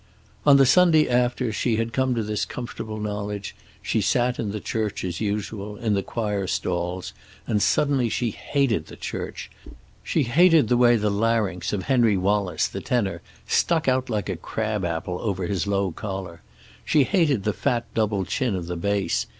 On the Sunday after she had come to this comfortable knowledge she sat in the church as usual, in the choir stalls, and suddenly she hated the church. She hated the way the larynx of Henry Wallace, the tenor, stuck out like a crabapple over his low collar. She hated the fat double chin of the bass.